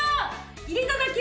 入れただけ。